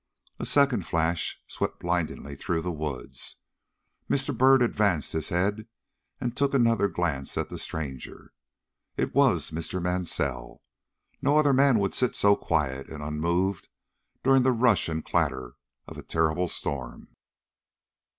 A second flash swept blinding through the wood. Mr. Byrd advanced his head and took another glance at the stranger. It was Mr. Mansell. No other man would sit so quiet and unmoved during the rush and clatter of a terrible storm.